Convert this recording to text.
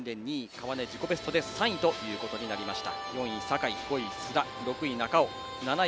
川根、自己ベストで３位となりました。